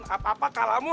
apa apa kalamu sama si beb